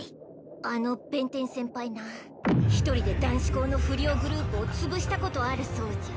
あの弁天先輩な一人で男子校の不良グループをつぶしたことあるそうじゃ。